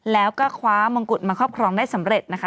แล้วก็คว้ามงกุฎมาครอบครองได้สำเร็จนะคะ